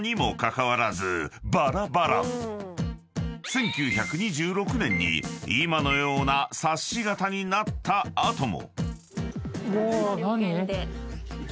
［１９２６年に今のような冊子型になった後も］